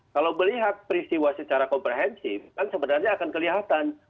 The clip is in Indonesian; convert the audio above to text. kalau melihat peristiwa secara komprehensif kan sebenarnya akan kelihatan